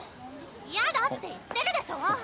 ・嫌だって言ってるでしょ！